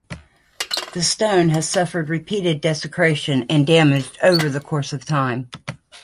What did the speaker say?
The Stone has suffered repeated desecrations and damage over the course of time.